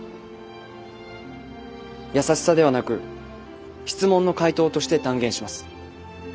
優しさではなく質問の回答として断言します。